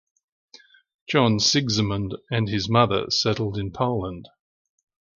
John Sigismund and his mother settled in Poland.